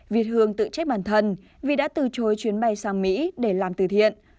việt hương tự chết bản thân vì đã từ chối chuyến bay sang mỹ để làm từ thiện